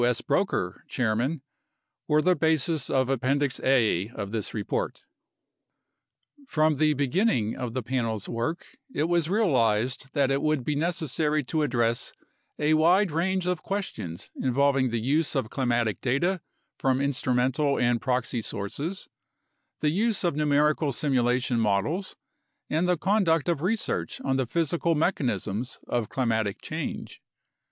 S. Broecker, Chairman) were the basis of Appendix A of this report. From the beginning of the Panel's work it was realized that it would be necessary to address a wide range of questions involving the use of climatic data from instrumental and proxy sources, the use of numerical simulation models, and the conduct of research on the physical mecha nisms of climatic change.